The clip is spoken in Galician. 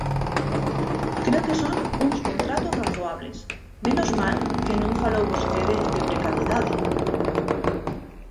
Creo que son uns contratos razoables, menos mal que non falou vostede de precariedade.